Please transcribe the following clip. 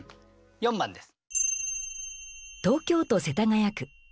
４番です。